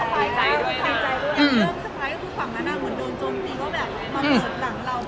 แล้วสุดท้ายก็คือฝั่งอนาคตเหมือนโดนโจมตีก็แบบ